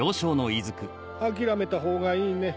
諦めたほうがいいね。